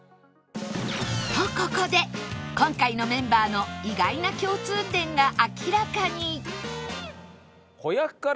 とここで今回のメンバーの意外な共通点が明らかに